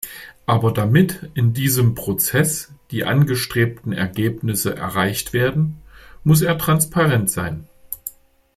Aber damit in diesem Prozess die angestrebten Ergebnisse erreicht werden, muss er transparent sein.